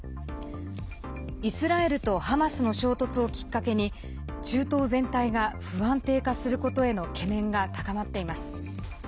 イスラエルとハマスの衝突をきっかけに中東全体が不安定化することへの懸念が高まっています。